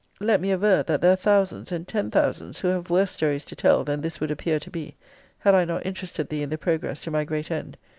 Let me aver, that there are thousands and ten thousands, who have worse stories to tell than this would appear to be, had I not interested thee in the progress to my great end.